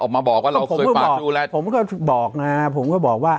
มาบอกว่าเราเคยฝากดูแลผมก็บอกนะผมก็บอกว่า